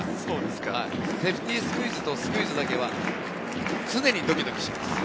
セーフティースクイズとスクイズだけは常にドキドキします。